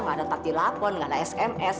gak ada takdir lapor gak ada sms